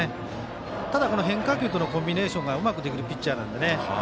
ただ、変化球とのコンビネーションがうまくできるピッチャーなんで。